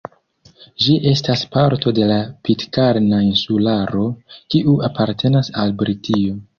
Ĝi estas parto de la Pitkarna Insularo, kiu apartenas al Britio.